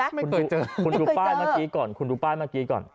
คุณเคยเจอคุณดูป้ายเมื่อกี้ก่อนคุณดูป้ายเมื่อกี้ก่อน